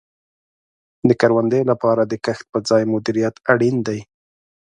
د کروندې لپاره د کښت په ځای مدیریت اړین دی.